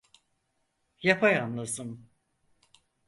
Yapayalnızım.